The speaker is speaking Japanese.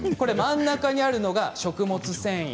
真ん中にあるのが食物繊維。